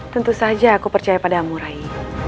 tentu saja aku percaya padamu rai